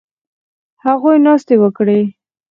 هغوی ناستې وکړې